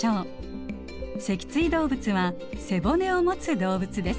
脊椎動物は背骨をもつ動物です。